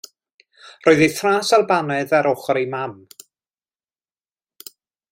Roedd ei thras Albanaidd ar ochr ei mam.